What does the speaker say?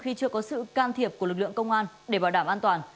khi chưa có sự can thiệp của lực lượng công an để bảo đảm an toàn